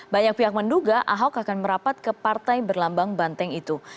banyak pihak menduga ahok akan merapat ke partai berlambang banteng itu